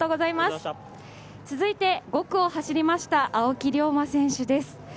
続いて５区を走りました青木涼真選手です。